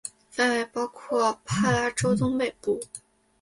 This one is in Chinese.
范围包括帕拉州东北部。